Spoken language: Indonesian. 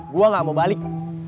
gue gak mau balik